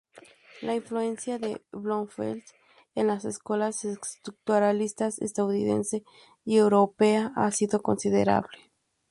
La influencia de Bloomfield en las escuelas estructuralistas estadounidense y europea ha sido considerable.